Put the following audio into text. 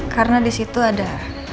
karena di situ ada